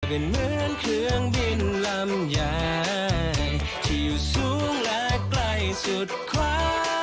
เป็นเหมือนเครื่องบินลำยายที่อยู่สูงและใกล้สุดคว้า